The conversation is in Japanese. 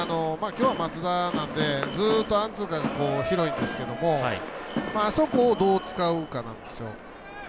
きょうはマツダなのでずっとアンツーカーが広いんですけどもあそこをどう使うかなんですよ。